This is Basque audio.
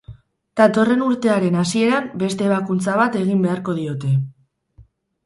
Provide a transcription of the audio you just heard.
Datorren urtearen hasieran beste hebakuntza bat egin beharko diote.